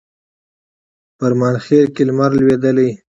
فرمانخیل کښي لمر لوېدلی